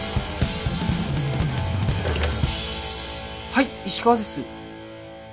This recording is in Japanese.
☎はい石川です。